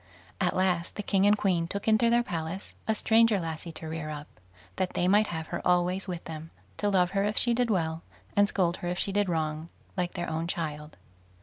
At last the king and queen took into their palace a stranger lassie to rear up, that they might have her always with them, to love her if she did well, and scold her if she did wrong, like their own child.